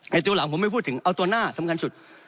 ตัวหลังผมไม่พูดถึงเอาตัวหน้าสำคัญสุด